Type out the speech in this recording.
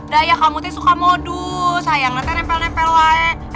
daya kamu tuh suka modus sayang nanti nempel nempel aja